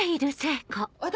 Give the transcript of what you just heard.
私